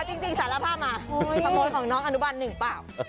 จริงสารภาพมาขโมยของน้องอนุบันหนึ่งเปล่า